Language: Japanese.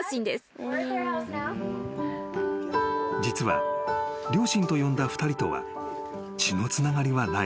［実は両親と呼んだ２人とは血のつながりはない］